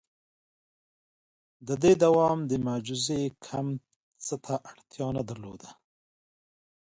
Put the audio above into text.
• د دې دوام تر معجزې کم څه ته اړتیا نه درلوده.